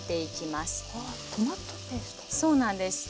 そうなんです。